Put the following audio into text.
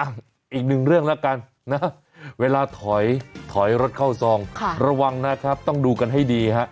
อ่ะอีกหนึ่งเรื่องแล้วกันนะเวลาถอยถอยรถเข้าซองระวังนะครับต้องดูกันให้ดีฮะ